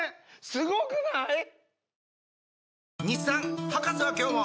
すごくない？